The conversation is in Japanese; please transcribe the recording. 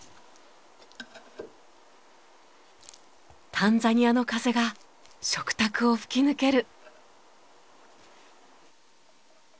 タンザニアの風が食卓を吹き抜ける。